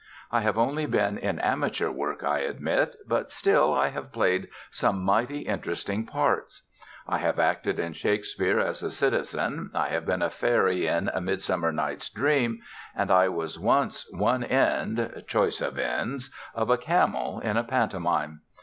I have only been in amateur work, I admit, but still I have played some mighty interesting parts. I have acted in Shakespeare as a citizen, I have been a fairy in "A Midsummer Night's Dream," and I was once one end (choice of ends) of a camel in a pantomime.